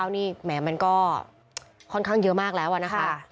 นี่แหมมันก็ค่อนข้างเยอะมากแล้วนะคะ